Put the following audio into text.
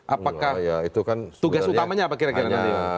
apakah tugas utamanya apa kira kira tadi